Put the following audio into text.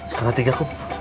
sekarang tiga aku